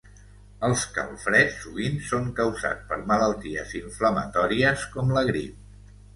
Els calfreds sovint són causats per malalties inflamatòries com la grip.